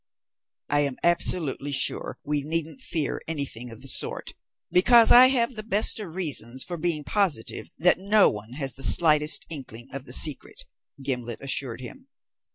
"I am absolutely sure we needn't fear anything of the sort, because I have the best of reasons for being positive that no one has the slightest inkling of the secret," Gimblet assured him.